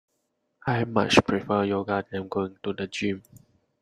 I much prefer yoga than going to the gym